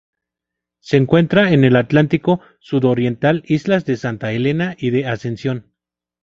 Se encuentra en el Atlántico sudoriental: islas de Santa Helena y del Ascensión.